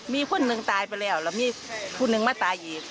มีคนหนึ่งตายไปแล้วแล้วมีคนหนึ่งมาตายอีก